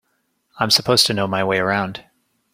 I'm supposed to know my way around.